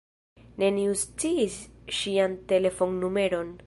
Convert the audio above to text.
Neniu sciis ŝian telefonnumeron.